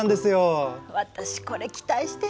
私これ期待してんのよ。